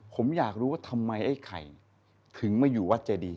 ผมอยากรู้ว่าทำไมไอ้ไข่ถึงมาอยู่วัดเจดี